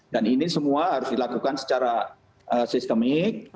dan ini semua harus dilakukan secara sistemik